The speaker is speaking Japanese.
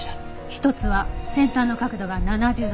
一つは先端の角度が７０度程度。